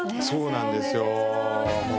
そうなんですよ。